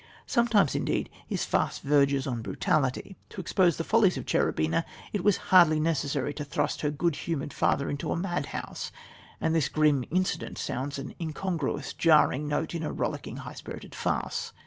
Sometimes, indeed, his farce verges on brutality. To expose the follies of Cherubina it was hardly necessary to thrust her good humoured father into a madhouse, and this grim incident sounds an incongruous, jarring note in a rollicking high spirited farce.